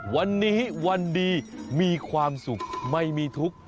วันนี้วันดีมีความสุขไม่มีทุกข์